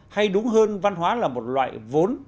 hay đúng hơn văn hóa là một loại vốn